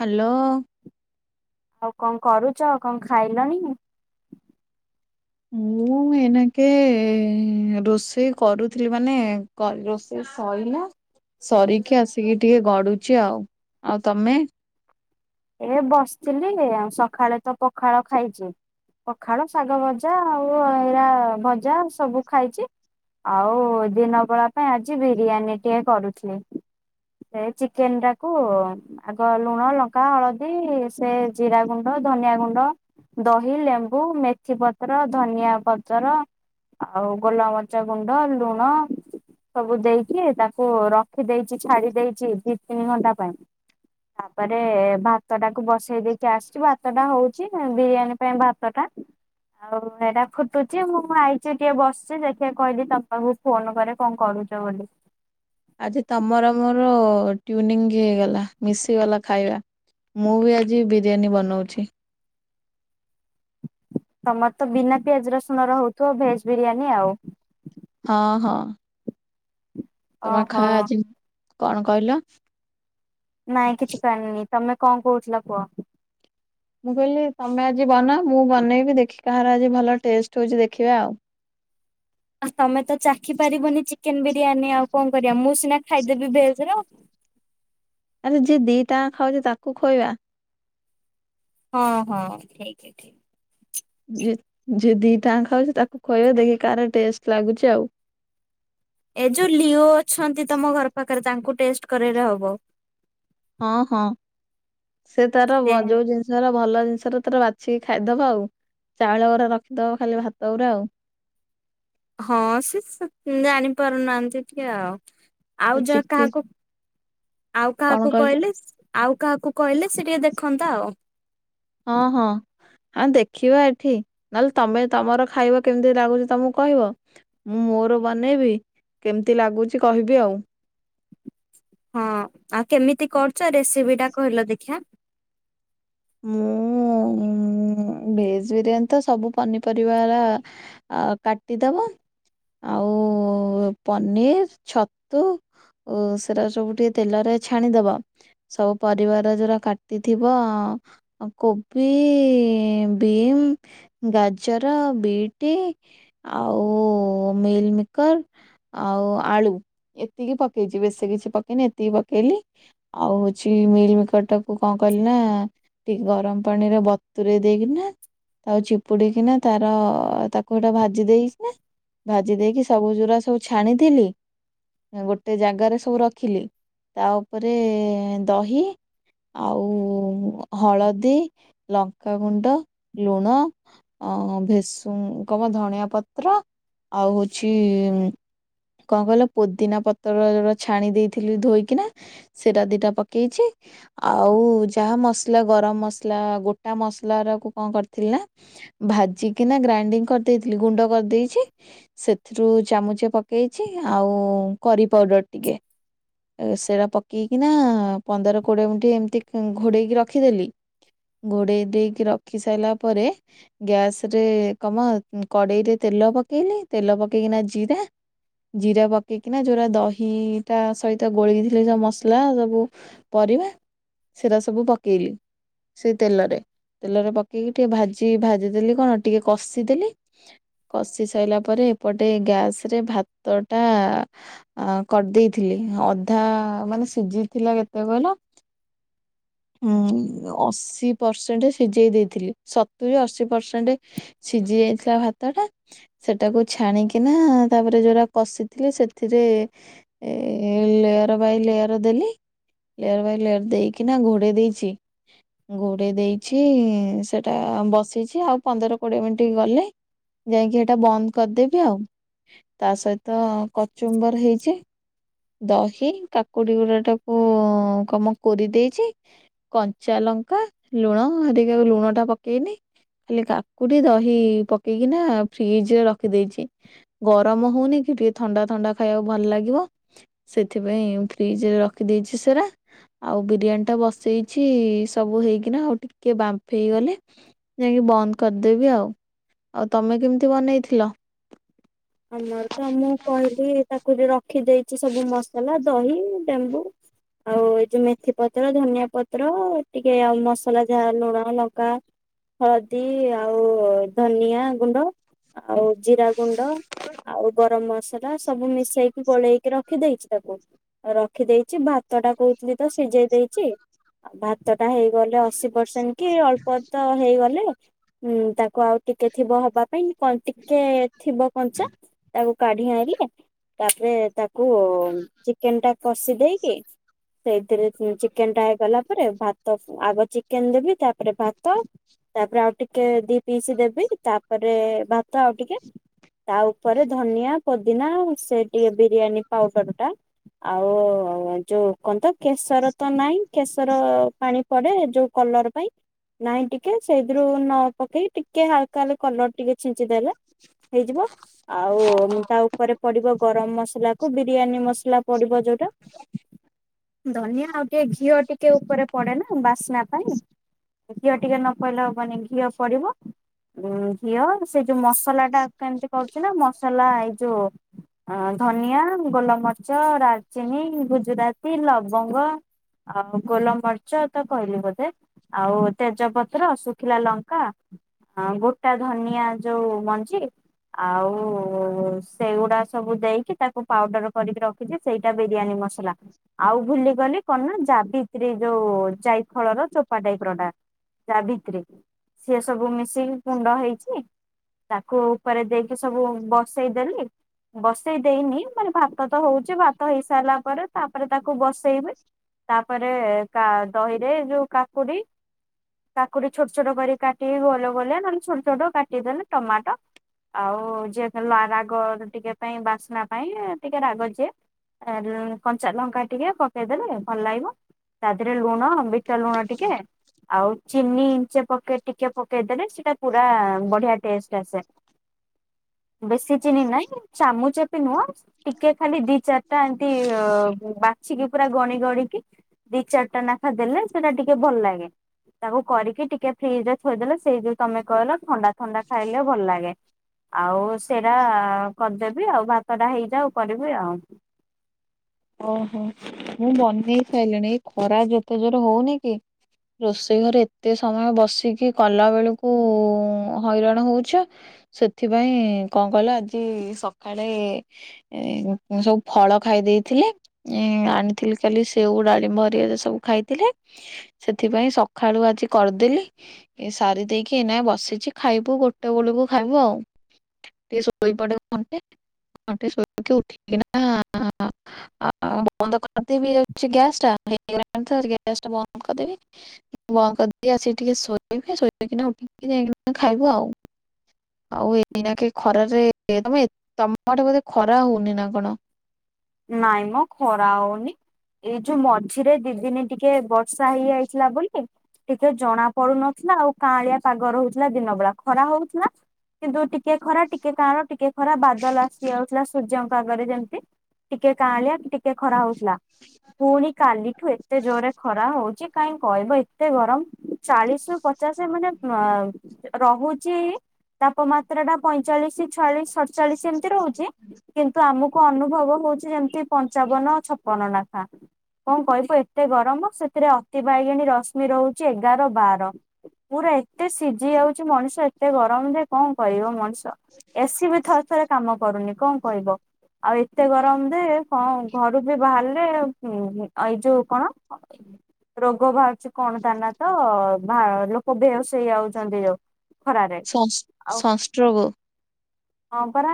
Hello ଆଉ କଣ କରୁଛ କଣ ଖାଇଲନି? ମୁଁ ଏନାକେ ରୋଷେଇ କରୁଥିଲି ମାନେ କଲ ରୋଷେଇ ସଈଲା ସରିକି ଆସିକି ଟିକେ ଗଡୁଛି ଆଉ ଆଉ ତମେ? ଏ ବସିଥିଲି ଆ ସକାଳେ ତ ପଖାଳ ଖାଇଛି ପଖାଳ ଶାଗ ଭଜା ଆଉ ଏଇରା ଭଜା ସବୁ ଖାଇଛି। ଆଉ ଦିନ ବଳା ପାଇଁ ଆଜି ବିରିୟାନୀ ଟିକେ କରୁଥିଲି। ସେ ଚିକେନ ଟାକୁ ଆଗ ଲୁଣ ଲ ତକା ହଳଦୀ ସେ ଜିରା ଗୁଣ୍ଡ ଧନିଆ ଗୁଣ୍ଡ ଦହି ଲେମ୍ବୁ ମେଥି ପତ୍ର ଧନିଆ ପତର। ଆଉ ଗୋଲାମଚା ଗୁଣ୍ଡ ଲୁଣ ସବୁ ଦେଇକି ତାକୁ ରଖିଦେଇଛି ଛାଡି ଦେଇେଇଛି ଦି ତିନି ଘଣ୍ଟା ପାଇଁ ହଁ ଗେ ଭାତ ଟାକୁ ବସେଇ ଦେଇକି ଆସିଛି ଭାତ ଟା ହଉଛି ବିରିୟାନୀ ପାଇଁ ଭାତ ଟା ଆଉ ଏଇଟା ଫୁଟୁଛି ମୁଁ ମୁଁ ଆଇଛି ଟିକେ ବସିଛି ଦେଖି କହିଲି ତମ ପାଖକୁ ଫୋନ କରେ କଣ କରୁଛ ବୋଲି। ଆଜି ତମର ମୋର ଟୁନି ହେଇଗଲା ମିଶିଗଲା ଖାଇବା। ମୁଁ ବି ଆଜି ବିରିୟାନୀ ବନାଉଛି। ତମର ତ ବିନା ପିଆଜ ରସୁଣ ରହୁଥିବ ଭେଜ ବିରିୟାନୀ ଆଉ ହଁ ହଁ ତମ ଓହୋ ଖା ଆଜି କଣ କହିଲ? ନାଇଁ କିଛି କରିିନି ତମେ କଣ କହୁଥିଲ କୁହ? ମୁଁ କହିଲି ତମେ ଆଜି ବନାଅ ମୁଁ ବନେଇବି ଦେଖି କାହାର ଆଜି ଭଲ ଟେଷ୍ଟ ହଉଛି ଦେଖିବା ଆଉ। ଆ ତମେ ତ ଚାଖି ପାରିବନି ଚିକେନ ବିରିୟାନୀ ଆଉ କଣ କରିବା ମୁଁ ସିନା ଖାଇଦେବି ଭେଜ ର ଆରେ ଯିଏ ଦି ଟାଙ୍କା ଖାଉଛି ତାକୁ ଖୋଇବା। ହଁ ହଁ ଠିକ ଅଛି ଠିକ। ଯିଏ ଯିଏ ଦି ଟାଙ୍କା ଖାଉଛି ତାକୁ ଖୋଇବା ଦେଖି କାହାର ଟେଷ୍ଟ ଲାଗୁଛି ଆଉ। ଏ ଯୋଉ ଲିଓ ଅଛନ୍ତି ତମ ଘର ପାଖରେ ତାଙ୍କୁ ଟେଷ୍ଟ କରେଇଲେ ହବ। ହଁ ହଁ ସେ ତାର ବ ଯୋଉ ଜିନିଷ୍ ର ଭଲ ଜିନିଷରା ତାର ବାଛିକି ଖାଇଦବ ଆଉ ଚାଉଳ ଗୁଡା ରଖିଦବ ଖାଲି ଭାତ ଗୁଡା ଆଉ। ହଁ ସେ ଜାଣିପାରୁନାହାନ୍ତି ଟିକେ ଆଉ ସେ ଆଉ ଯାହା ଚିକି କାହାକୁ ଆଉ କଣ କାହାକୁ କହିଲି କଇଲେ ଆଉ କାହାକୁ କଇଲେ ସେ ଟିକେ ଦେଖନ୍ତା ଆଉ। ହଁ ହଁ। ହଁ ଦେଖିବା ଏଠି ନହେଲେ ତମେ ତମର ଖାଇବ କେମିତି ଲାଗୁଚି ତମକୁ କହିବ? ମୁଁ ମୋର ବନେଇବି କେମିତି ଲାଗୁଚି କହିବି ଆଉ। ହଁ ଆଉ କେମିତି କରୁଚ ରେସିପି ଟା କହିଲ ଦେଖିଆ? ମୁଁ ଭେଜ ବିରିୟାନୀ ତ ସବୁ ପନିପରିବାରା ଆଁ କାଟିଦବ। ଆଉ ପନିର ଛତୁ ଓ ସେରା ସବୁ ଟିକେ ତେଲରେ ଛାଣିଦବ। ସବୁ ପରିବାଗୁରା ଯୋଉରା କାଟିଥିବ କୋବି ବିମ୍, ଗାଜର, ବିଟ୍ ଆଉ ମିଲ ମିକର ଆଉ ଆଳୁ ଏତିକି ପକେଇଚି ବେଶୀ କିଛି ପକେଇନି ଏତିକି ପକେଇଲି। ଆଉ ହଉଛି ମିଲ୍ ମିକରଟା କୁ କଣ କଲି ନା ଟିକେ ଗରମ ପାଣିରେ ବତୁ ବତୁରେଇ ଦେଇକିନା ତାକୁ ଚିପୁଡିକିନା ତାର ତାକୁ ସେଇଟା ଭାଜି ଦେଇକିନା। ଭାଜି ଦେଇକି ସବୁ ଯୋଉରା ସବୁ ଛାଣିଥିଲି ଗୋଟେ ଜାଗାରେ ସବୁ ରଖିଲି ତା ଉପରେ ଦହି ଆଉ ହଳଦୀ, ଲଙ୍କାଗୁଣ୍ଡ, ଲୁଣ ଅଁ ଭେଷୁ କମ ଧଣିଆ ପତ୍ର ଆଉ ହଉଛି କଣ କହିଲ ପୋଦିନା ପତ୍ର ଯୋଉରା ଛାଣି ଦେଇଥିଲି ଧୋଇକିନା। ସେଇଟା ଦିଟା ପକେଇଚି ଆଉ ଯାହା ମସଲା ଗରମ ମସଲା ଗୋଟ ତା ମସଲ ଗୁରାକୁ କଣ କରିଥିଲା ନା ଭାଜିିକିନା ଗ୍ରାଇଣ୍ଡିଙ୍ଗ କରିଦେଇଥିଲି ଗୁଣ୍ଡ କରିଦେଇଛି। ସେଥିରୁ ଚାମୁଚେ ପକେଇଛି ଆଉ କରି ପାଉଡର ଟିକେ। ଏ ସେରା ପକେଇକିନା ପନ୍ଦର କୋଡ଼ିଏ ମିନିଟ ଏମିତି ଘୋଡ଼େଇକି ରଖିଦେଲି। ଘୋଡ଼େଇ ଦେଇକି ରଖି ସାଇଲା ପରେ। ଗ୍ୟାସ ରେ କମ କଡେଇରେ ତେଲ ପକେଇଲି ତେଲ ପକେଇକିନା ଜିରା ଜିରା ପକେଇକିନା ଯୋଉରା ଦହିଟା ସହିତ ଗୋଳେଇଥିଲି ଯୋଉ ମସଲା ସବୁ ପରିବା ସେରା ସବୁ ପକେଇଲି। ସେ ତେଲରେ ତେଲରେ ପକେଇକି ଟିକେ ଭାଜି ଭାଜିଦେଲି କଣ ଟିକେ କଷିଦେଲି କଷି ସାଇଲା ପରେ ଏପଟେ ଗ୍ୟାସ ରେ ଭାତ ଟା ଅ କରିଦେଇଥିଲି ଅଧା ମାନେ ସିଜିଥିଲା କେତେ କହିଲ। ହୁଁ ଅଶ୍ ଅଶୀ ପରସେଣ୍ଟ ସିଝେଇ ଦେଇଥିଲି ସତୁରି ଅଶୀ ପରସେଣ୍ଟ ସିଜି ଯାଇଥିଲା ଭାତ ଟା। ସେଟାକୁ ଛାଣିକିନା ତାପରେ ଯୋଉଟା କଷିଥିଲି ସେଥିରେ ଏ ଲେୟର ବାଇ ଲେୟର ଦେଲି। ଲେୟର ବାଇ ଲେୟର ଦେଇକିନା ଘୋଡେଇ ଦେଇଛି। ଘୋଡେ଼ଇ ଦେଇଛି ସେଟା ବସିଛି ଆଉ ପନ୍ଦର କୋଡିଏ ମିନିଟ ଗଲେ ଯାଇଁକି ସେଟା ବନ୍ଦ କରିଦେବି ଆଉ। ତା ସହିତ କଚୁମ୍ବର ହେଇଛି। ଦହି କାକୁଡି ଗୁରା ଟାକୁ କମ କୋରି ଦେଇଛି। କଞ୍ଚା ଲଙ୍କା ଲୁଣହରିକା ଟିକ ଲୁଣ ଟା ପକେଇନି। ଖାଲି କାକୁଡି ଦହି ପକେଇକି ନା ଫ୍ରିଜ ରେ ରଖିଦେଇଛି। ଗରମ ହଉନି କି ଟିକେ ଥଣ୍ଡା ଥଣ୍ଡା ଖାଇବାକୁ ଭଲ ଲାଗିବ। ସେଥିପାଇଁ ଫ୍ରିଜ ରେ ରଖିଦେଇଛି ସେରା ଆଉ ବିରିୟାନୀ ଟା ବସେଇଛି ସବୁ ହେଇକିନା ଆଉ ଟିକେ ବାମ୍ଫ ହେଇଗଲେ ଯାଇକି ବନ୍ଦ କରିଦେବି ଆଉ। ଆଉ ତମେ କେମିତି ବନେଇଥିଲ? ଆମର ତ ମୁଁ କହିଲି ତାକୁ ରଖିଦେଇଛି ସବୁ ମସଲା ଦହି ଲେ ମ୍ବୁ ଆଉ ଏଇ ଯୋଉ ମେଥି ପତ୍ର ଧନିଆ ପତ୍ର ଟିକେ ଆଉ ମସଲା ଯାହା ଲୁଣ ଲଙ୍କା ହଳଦୀ ଆଉ ଧନିଆ ଗୁଣ୍ଡ ଆଉ ଜିରା ଗୁଣ୍ଡ। ଆଉ ଗରମ ମସଲା ସବୁ ମିଶେଇକି ଗୋଳେଇକି ରଖିଦେଇଛି ତାକୁ। ରଖିଦେଇଛି ଭାତ ଟା କହୁଥିଲି ତ ସିଝେଇ ଦେଇଛି। ଭାତ ଟା ହେଇଗଲେ ଅଶୀ ପରସେଣ୍ଟ କି ଅଳ୍ପ ତ ହେଇଗଲେ। ହୁଁ ତାକୁ ଆଉ ଟିକେ ଥିବ ହବା ପାଇଁ କଣ ଟିକେ ଥିବ କଞ୍ଚା ତାକୁ କାଢି ଆଇଁଲେ ତାପରେ ତାକୁ ଚିକେନ ଟା କଷି ଦେଇକି ସେଇଥିରେ ଚିକେନ ଟା ହେଇଗଲା ପରେ ଭାତ ଆଗ ଚିକେନ ଦେବି ତାପରେ ଭାତ। ତାପରେ ଆଉ ଟିକେ ଦି ପିସ୍ ଦେବି ତାପରେ ଭାତ ଆଉ ଟିକେ। ତା ଉପରେ ଧନିଆ ପୋଦିନା ସେ ଟିକେ ବିରିୟାନୀ ପାଉଡର ଟା। ଆଉ ଯୋଉ କନ୍ତ କେଶର ତ ନାଇଁ କେଶର ପାଣି ପଡେ ଯୋଉ କଲର ପାଇଁ। ନାଇଁ ଟିକେ ସେଇଥିରୁ ନ ପକେଇକି ଟିକେ ହାଲକା ହେଲେ କଲର ଟିକେ ଛିଞ୍ଚିଦଲେ। ହେଇଯିବ। ଆଉ ତା ଉପରେ ପଡିବ ଗରମ ମସଲା କୁ ବିରିୟାନୀ ମସଲା ପଡିବ ଯୋଉଟା। ଧନିଆ ଆଉ ଟିକେ ଘିଅ ଟିକେ ଉପରେ ପଡେ ନା ବାସ୍ନା ପାଇଁ। ଘିଅ ଟିକେ ନ ପଇଲେ ହବନି ମାନେ ଘିଅ ପଡିବ। ଉ ଘିଅ ସେ ଯୋଉ ମସଲା ଟା କେମିତି କରୁଚି ନା ମସଲା ଏଇ ଯୋଉ ଅ ଧନିଆ ଗୋଲମରିଚ ଡାଲଚିନି ଗୁଜୁରାତି ଲବଙ୍ଗ। ଆଉ ଗୋଲ ମରିଚ୍ଚ ତ କହିଲି ବୋଧେ। ଆଉ ତେଜପତ୍ର ଶୁଖିଲା ଲଙ୍କା ହଁ ଗୋଟା ଧନିଆ ଯୋଉ ମଞ୍ଜି। ଆଉ ସେଗୁଡା ସବୁ ଦେଇକି ତାକୁ ପାଉଡର କରିକି ରଖିଛିି ସେଇଟା ବିରିୟାନୀ ମସଲା। ଆଉ ଭୁଲି ଗଲି କଣ ନା ଯାବିତ୍ରୀ ଯୋଉ ଜାଇଫଳର ଚୋପା ଟାଇପ ର ଟା। ତା ଭିତରେ ସିଏ ସବୁ ମିଶିକି ଗୁଣ୍ଡ ହେଇଛି ତାକୁ ଉପରେ ଦେଇକି ସବୁ ବସେଇଦେଲି ବସେଇ ଦେଇନି ମାନେ ଭା ଭାତ ତ ହଉଛି ଭାତ ହେଇ ସାରିଲା ପରେ ତାପରେ ତାକୁ ବସେଇ ବେ ତାପରେ ତା ଦହି ରେ ଯୋଉ କାକୁଡି କାକୁଡି ଛୋଟ ଛୋଟ କରି କାଟିି ଗୋ ଗୋଲେ ନହେଲେ ଛୋଟ ଛୋଟ କାଟିଦେଲେ ଟମାଟ ଆଉ ଯିଏ ରାଗ ଟିକେ ପାଇଁ ବାସ୍ନା ପାଇଁ ଟିକେ ରାଗ ଯିଏ। କଞ୍ଚା ଲଙ୍କା ଟିକେ ପକେଇଦେଲେ ଭଲ ଲାଗିବ। ତା ଦେହରେ ଲୁଣ ବିଟ ଲୁଣ ଟିକେ ଆଉ ଚିନି ଇଞ୍ଚେ ପକେଇ ଟିକେ ପକେଇଦେଲେ ସେଟା ପୁରା ବଢିଆ ଟେଷ୍ଟ ଆସେ। ବେଶୀ ଚିନି ନାଇଁ ଚାମୁଚ ଏ ବି ନୁଅଁ। ଟିକେ ଖାଲି ଦି ଚାରିଟା ଏମିତି ଅ ବାଛିକି ପୁରା ଗଣି ଗଣିକି ଦି ଚାରିଟା ନେଖା ଦେଲେ ସେଟା ଟିକେ ଭଲ ଲାଗେ। ତାକୁ କରିକି ଟିକେ ଫ୍ରିଜରେ ଥୋଇଦେଲେ ସେଇ ଯୋଉ ତମେ କହିଲ ଥଣ୍ଡା ଥଣ୍ଡା ଖାଇଲେ ଭଲ ଲାଗେ। ଆଉ ସେରା କରିଦେବି ଆଉ ଭାତଟା ହେଇଯାଉ କରିବି ଆଉ। ଓହୋ ମୁଁ ବନେଇ ସାଇଲିଣି ଏଇ ଖରା ଯେତେ ଜୋର ହୋଉନି କି। ରୋଷେଇ ଘରେ ଏତେ ସମୟ ବସିକି କଲା ବେଳକୁ ହଇରାଣ ହୋଉଛ। ସେଥିପାଇଁ କଣ କହିଲ ଆଜି ସକାଳେ ଏଁ ସବୁ ଫଳ ଖାଇ ଦେଇ ଥିଲି। ଏଁ ଆଣିଥିଲି କାଲି ସେଉ, ଡାଳିମ୍ବ ହେରିକା ଯେ ସବୁ ଖାଇଥିଲେ। ସେଥିପାଇଁ ସକାଳୁ ଆଜି କରିଦେଲି। ଏଇ ସାରି ଦେଇକି ଏଇନା ବସିଚି ଖାଇବୁ ଗୋଟେ ବେଳକୁ ଖାଇବୁ ଆଉ। ଏ ଶୋଇପଡେ ଘଣ୍ଟେ। ଘଣ୍ଟେ ଶୋଇକି ଉଠିକି ନା ଆ ବନ୍ଦ କରିଦେବି ଯାଉଚି ଗ୍ୟାସ୍ ଟା ହେଇଗଲାଣି ତ ଟିକେ ଗ୍ୟାସ୍ ଟା ବନ୍ଦ କରିଦେବି। ବନ୍ଦ କରିଦିଏ ଆସିକି ଟିକେ ଶୋଇବି। ଶୋଇ ପଡିକିନା ଉଠିକି ଯାଇକିନା ଖାଇବୁ ଆଉ। ଆଉ ଏଇନା କେ ଖରାରେ ତମେ ଏ ତମଠୁ ବୋଧେ ଖରା ହୋଉନି ନା କଣ? ନାଇଁ ମ ଖରା ହୋଉନି। ଏଇ ଯୋଉ ମଝିରେ ଦି ଦିନ ଟିକେ ବର୍ଷା ହେଇଯାଇଥିଲା ବୋଲି ଟିକେ ଜଣା ପଡୁ ନଥିଲା ଆଉ କାଁଳିଆ ପାଗ ରହୁଥିଲା ଦିନ ବେଳା, ଖରା ହୋଉଥିଲା କିନ୍ତୁ ଟିକେ ଖରା ଟିକେ କାଣ ଟିକେ ଖରା ବାଦଲ ଆସି ଯାଉଥିଲା ସୂର୍ଯ୍ୟଙ୍କ ଆଗରେ ଯେମତି। ଟିକେ କାଁଳିଆ ଟିକେ ଖରା ହୋଉଥିଲା ଫୁଣି କାଲିଠୁ ଏତେ ଜୋରରେ ଖରା ହୋଉଚି। କାଇଁ କହିବ ଏତେ ଗରମ ଚାଳିଶରୁ ପଚାଶ ମାନେ [unintelligible] ରହୁଚି ତାପମାତ୍ରାଟା ପଇଁଚାଳିଶ, ଛୟାଳିଶ, ସ ଢଚାଳିଶ ଏମିତି ରହୁଚି, କିନ୍ତୁ ଆମକୁ ଅନୁଭବ ହୋଉଚି ଯେମତି ପଞ୍ଚାବନ, ଛପନ ନାଖା। କଣ କହିବୁ ଏତେ ଗରମ ସେଥିରେ ଅତି ବାଇଗଣୀ ରଶ୍ମି ରହୁଚି ଏଗାର ବାର। ପୁରା ଏତେ ସିଝି ଯାଉଚି ମଣିଷ ଏତେ ଗରମ ଯେ କଂଣ କରିବ ମଣିଷ। ତ ଏସି ବି ଥରେ ଥରେ କାମ କରୁନି କଂଣ କହିବ ଆଉ ଏତେ ଗ ରମ ଦେ କଂ ଘରୁ ଯେ ବାହାରିଲେ ହୁଁ ଅଇ ଯୋଉ କଣ ରୋଗ ବାହାରୁଚ କଣ ତା ନାଁ ତ ଭା ଲୋ କ ବେହୋସ ହେଇଯାଉଚନ୍ତି ଯୋଉ ଖରାରେ ସଂସ୍ ଆଉ ସଂଷ୍ଟ୍ରୋଗ ହଁ ପରା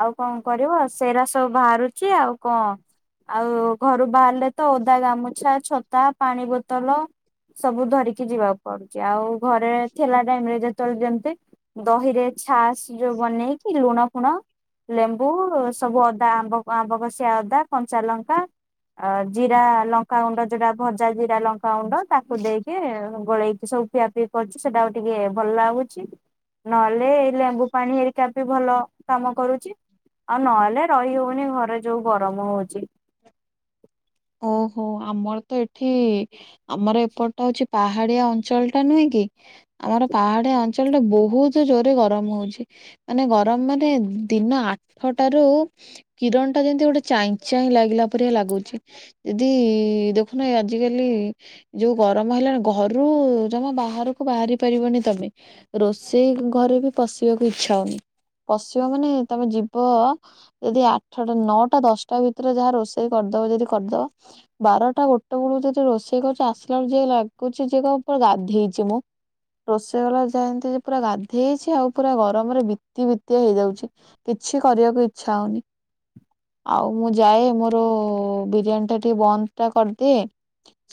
ଆଉ କଣ କରିବ ସେରା ସବୁ ବାହାରୁଚି ଆଉ କଣ। ଆଉ ଘରୁ ବାହାରିଲେ ତ ଓଦା ଗାମୁଛା, ଛତା, ପାଣି ବୋତଲ ସବୁ ଧରିକି ଯିବାକୁ ପଡୁଚି ଆଉ ଘରେ ଥିଲା ଟାଇମରେ ଯେତବେଳେ ଯେମତି ଦହିରେ ଛାସ୍‌ ଯୋଉ ବନେଇକି ଲୁଣ ଫୁଣ ଲେମ୍ବୁ ସବୁ ଅ ତା ଆମ୍ବ ଆମ୍ବ କଷିଆ ଅଦା କଞ୍ଚା ଲଙ୍କା ଆ ଜିରା ଲଙ୍କାଗୁଣ୍ଡ ଯୋଉଟା ଭଜା ଜିରା ଲଙ୍କାଗୁଣ୍ଡ ତାକୁ ଦେଇକି ଗୋଳେଇକି ସବୁ ପିଆ ପି କରୁଚୁ ସେଟା ଆଉ ଟିକେ ଭଲ ଲାଗୁଚି। ନହେଲେ ଏଇ ଲେମ୍ବୁ ପାଣି ହେରିକା ବି ଭଲ କାମ କରୁଚି ଆଉ ନହେଲେ ରହି ହୋଉନି ଘରେ ଯୋଉ ଗରମ ହୋଉଚି। ଓହୋ ଆମର ତ ଏଠି ଆମର ଏପଟା ହୋଉଚି ପାହାଡିଆ ଅଞ୍ଚଳଟା ନୁହେଁ କି। ଆମର ପାହାଡିଆ ଅଞ୍ଚଳଟା ବୋହୁତ ଜୋରେ ଗରମ ହୋଉଚି। ମାନେ ଗରମ ମାନେ ଦିନ ଆଠଟାରୁ କିରଣଟା ଯେମତି ଗୋଟେ ଚାଇଁ ଚାଇଁ ଲାଗିଲା ପରିଆ ଲାଗୁଚି। ଯଦି ଦେଖୁନ ଏ ଆଜିକାଲି ଯୋଉ ଗରମ ହେଲାଣି ଘରୁ ଜମା ବାହାରକୁ ବାହାରି ପାରିବନି ତମେ। ରୋଷେଇ ଘରେ ବି ପଶିବାକୁ ଇଚ୍ଛା ହୋଉନି। ପଶିବ ମାନେ ତମେ ଯିବ ଯଦି ଆଠଟା ନଅଟା ଦଶଟା ଭିତରେ ଯାହା ରୋଷେଇ କରିଦବ ଯଦି କରିଦବ। ବାରଟା ଗୋଟେ ବେଳକୁ ଯଦି ରୋଷେଇ କରୁଛ ଆସିଲା ବେଳକୁ ଯାହା ଲାଗୁଛି ଯିଏ କହିବ ପା ଗାଧେଇଚି ମୁଁ। ରୋଷେଇକଲାବେଳେ ଯାହା ଯେମତି ପୁରା ଗାଧେଇଛି ଆଉ ପୁରା ଗରମରେ ବିତି ବିତିଆ ହେଇଯାଉଚି। କିଛି କରିବା କୁ ଇଚ୍ଛା ହଉନି ଆଉ ମୁଁ ଯାଏ ମୋର ବି ପ୍ୟାନ୍ ଟା ଟିକେ ବନ୍ଦଟା କରିଦିଏ।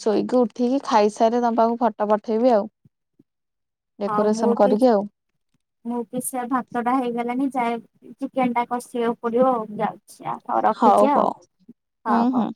ଶୋଇକି ଉଠିକି ଖାଇସାରେ ତମ ପାଖକୁ ଫଟୋ ପଠେଇବି ଆଉ। ହଁ ମୁଁ ଡେକୋରେସନ ବି କରିକି ଆଉ। ମୁଁ ବି ସେୟା ଭାତଟା ହେଇଗଲାଣି ଯାଏ ଚିକେନ ଟା କଷିବା କୁ ପଡିବ ଆଉ ଯାଅ ଆଛା ହଉ ରଖୁଚି ଆଉ ହୁଁ ହଉ ହୁଁ। ହଉ।